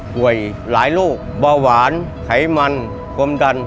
หลายโรคเบาหวานไขมันกลมดัน